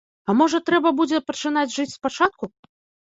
А можа трэба будзе пачынаць жыць спачатку?